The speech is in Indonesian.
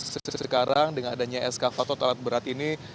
sejak sekarang dengan adanya eskavator terlalu berat ini